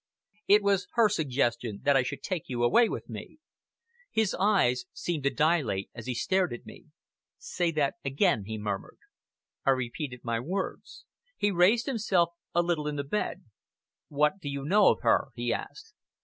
"It was her suggestion that I should take you away with me!" His eyes seemed to dilate as he stared at me. "Say that again," he murmured. I repeated my words. He raised himself a little in the bed. "What do you know of her?" he asked.